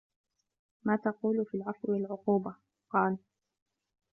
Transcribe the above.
مَا تَقُولُ فِي الْعَفْوِ وَالْعُقُوبَةِ ؟ قَالَ